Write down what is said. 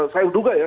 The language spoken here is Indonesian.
saya berduga ya